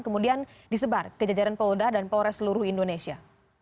kemudian disebar ke jajaran polda dan polres seluruh indonesia